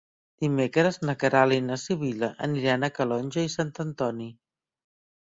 Dimecres na Queralt i na Sibil·la aniran a Calonge i Sant Antoni.